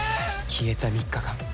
消えた３日間。